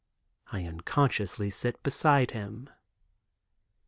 I unconsciously sit beside him.